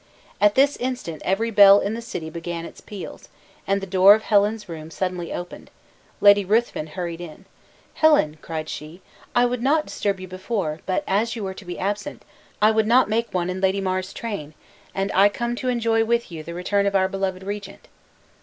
At this instant every bell in the city began its peals, and the door of Helen's room suddenly opened Lady Ruthven hurried in. "Helen," cried she, "I would not disturb you before; but as you were to be absent, I would not make one in Lady Mar's train; and I come to enjoy with you the return of our beloved regent!"